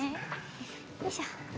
よいしょ。